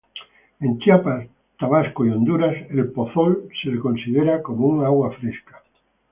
En Chiapas, Tabasco y Honduras, al pozol se le considera como un agua fresca.